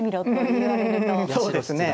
うんそうですね。